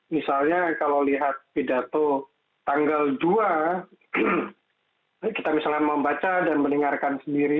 misalnya kalau lihat pidato tanggal dua kita misalnya membaca dan mendengarkan sendiri